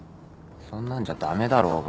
そんなんじゃ駄目だろうが。